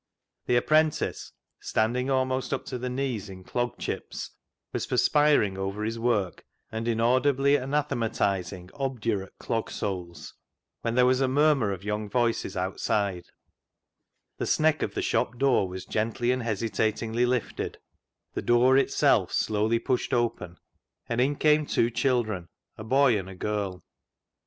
The apprentice, standing almost up to the knees in clog chips, was perspiring over his work and inaudibly anathematising obdurate clog soles, when there was a murmur of young voices outside, the " sneck " of the shop door was gently and hesitatingly lifted, the door itself A DIPLOMATIC REVERSE 221 slowly pushed open, and in came two children, a boy and a girl.